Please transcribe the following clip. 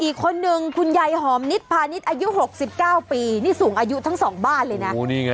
อีกคนนึงคุณยายหอมนิดพาณิชย์อายุ๖๙ปีนี่สูงอายุทั้งสองบ้านเลยนะ